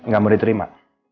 gak boleh diterima